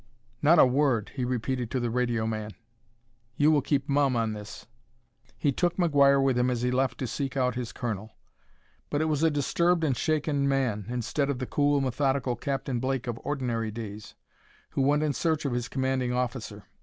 "Not a word!" he repeated to the radio man. "You will keep mum on this." He took McGuire with him as he left to seek out his colonel. But it was a disturbed and shaken man, instead of the cool, methodical Captain Blake of ordinary days, who went in search of his commanding officer.